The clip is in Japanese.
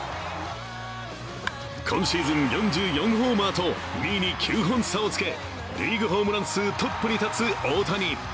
今シーズン４４ホーマーと２位に９本差をつけリーグホームラン数トップに立つ大谷。